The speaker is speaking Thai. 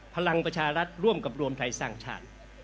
พลังประชารัฐร่วมกับรวมไทยสร้างชาติ